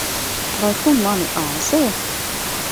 Vai tu mani āzē?